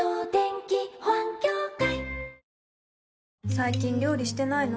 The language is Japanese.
最近料理してないの？